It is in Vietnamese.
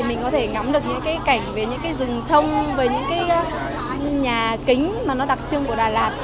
mình có thể ngắm được những cái cảnh về những cái rừng thông về những cái nhà kính mà nó đặc trưng của đà lạt